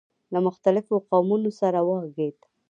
له مختلفو قومونو سره وغږېد.